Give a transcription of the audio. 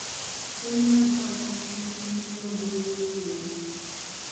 Tolina kukwata ku bitundu by’omubiri ebiweweevu.